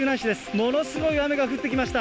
ものすごい雨が降ってきました。